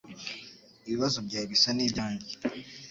Ibibazo byawe bisa nibyanjye.